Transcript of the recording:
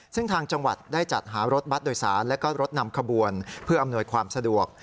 ซึ่งทางจังหวัดได้จัดหารถบัตรโดยสารและรถนำขบวนเพื่ออำนวยความสะดวก